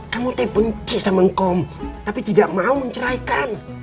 kamu teh benci sama ngkom tapi tidak mau menceraikan